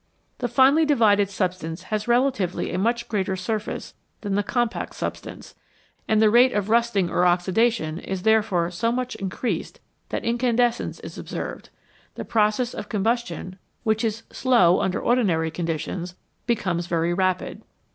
The finely divided sub stance has relatively a much greater surface than the compact substance, and the rate of rusting or oxida tion is thereby so much increased that incandescence is observed ; the process of combustion, which is slow under ordinary conditions, becomes very rapid.